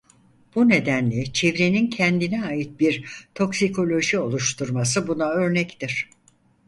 Bu nedenle çevrenin kendine ait bir toksikoloji oluşturması buna örnektir.